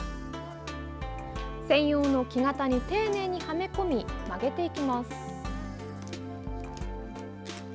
専用の木型に丁寧にはめ込み曲げていきます。